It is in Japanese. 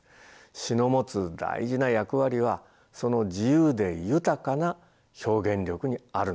詩の持つ大事な役割はその自由で豊かな表現力にあるのです。